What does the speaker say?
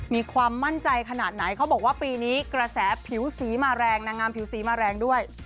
มีความมั่นใจขนาดไหนเขาบอกว่าปีนี้กระแสผิวสีมาแรงนางงามผิวสีมาแรงด้วย